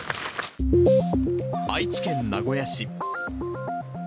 愛知県名古屋市。